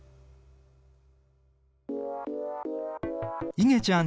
いげちゃん